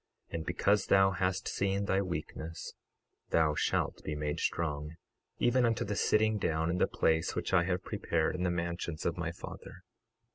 And because thou hast seen thy weakness thou shalt be made strong, even unto the sitting down in the place which I have prepared in the mansions of my Father.